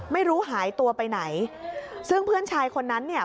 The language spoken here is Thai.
ไม่รู้หายตัวไปไหนซึ่งเพื่อนชายคนนั้นเนี่ย